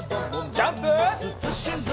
ジャンプ！